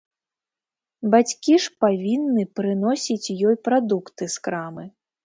Бацькі ж павінны прыносіць ёй прадукты з крамы.